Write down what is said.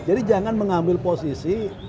jadi jangan mengambil posisi